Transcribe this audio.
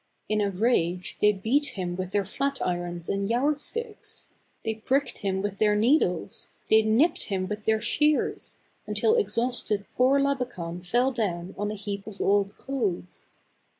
In a rage they beat him with their flat irons and yard sticks ; they pricked him with their needles, they nipped him with their shears, until exhausted poor Labakan fell down on a heap of old clothes.